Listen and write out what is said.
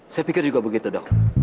saya pikir juga begitu dok